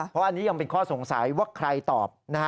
เพราะอันนี้ยังเป็นข้อสงสัยว่าใครตอบ